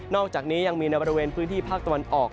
อกจากนี้ยังมีในบริเวณพื้นที่ภาคตะวันออก